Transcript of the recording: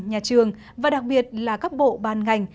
nhà trường và đặc biệt là các bộ ban ngành